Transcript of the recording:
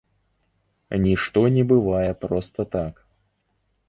Нішто не бывае проста так.